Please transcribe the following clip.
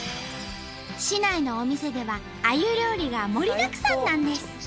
市内のお店ではあゆ料理が盛りだくさんなんです！